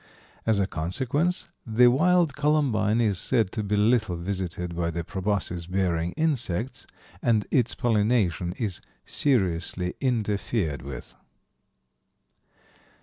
As a consequence, the wild columbine is said to be little visited by the proboscis bearing insects, and its pollination is seriously interfered with.